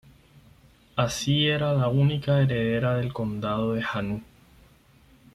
Así, era la única heredera del Condado de Hanau.